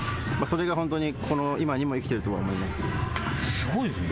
すごいですね